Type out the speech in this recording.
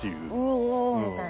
みたいな。